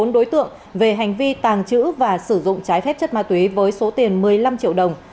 bốn đối tượng về hành vi tàng trữ và sử dụng trái phép chất ma túy với số tiền một mươi năm triệu đồng